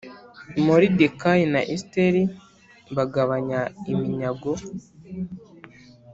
Moridekayi na Esiteri bagabanya iminyago